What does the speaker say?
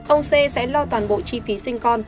ông xê sẽ lo toàn bộ chi phí sinh con